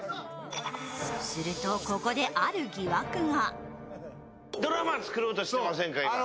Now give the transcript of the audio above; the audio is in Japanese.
すると、ここである疑惑が。